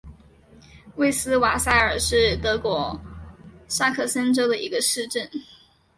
魏斯瓦塞尔是德国萨克森州的一个市镇。